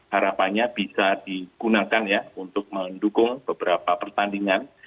harapannya bisa digunakan ya untuk mendukung beberapa pertandingan